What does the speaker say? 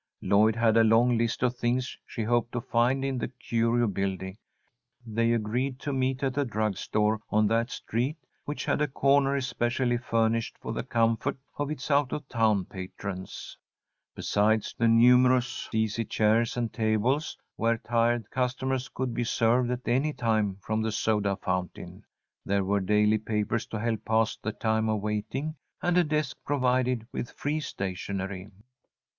Lloyd had a long list of things she hoped to find in the Curio Building. They agreed to meet at a drug store on that street which had a corner especially furnished for the comfort of its out of town patrons. Besides numerous easy chairs and tables, where tired customers could be served at any time from the soda fountain, there were daily papers to help pass the time of waiting, and a desk provided with free stationery.